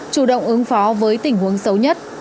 chủ động ứng phó với tình huống xấu nhất